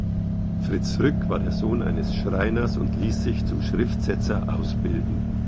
Fritz Rück war der Sohn eines Schreiners und ließ sich zum Schriftsetzer ausbilden.